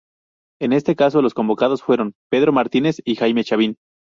En este caso los convocados fueron Pedro Martínez y Jaime Chavín.